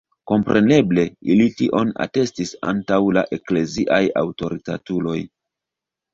Kompreneble, ili tion atestis antaŭ la ekleziaj aŭtoritatuloj.